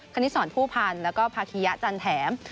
คณิตศรผู้พันธ์และภาคียะจันแถม